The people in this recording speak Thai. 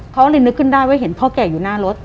เขาเลยนึกขึ้นได้ว่าเห็นพ่อแก่อยู่หน้ารถ